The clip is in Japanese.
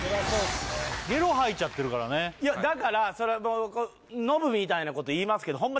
ゲロ吐いちゃってるからねいやだから！それノブみたいなこと言いますけどホンマ